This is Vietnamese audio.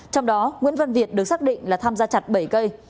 trong đó nguyễn văn việt được xác định là tham gia chặt bảy cây